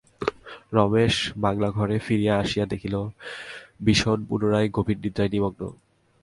রমেশ বাংলাঘরে ফিরিয়া আসিয়া দেখিল, বিষন পুনরায় গভীর নিদ্রায় নিমগ্ন।